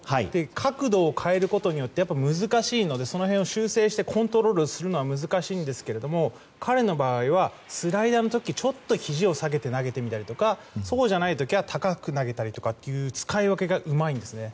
角度を変えることによって難しいので修正してコントロールするのは難しいんですけども彼の場合は、スライダーの時ひじを下げて投げたりとか高く投げたりとかという使い分けがうまいんですね。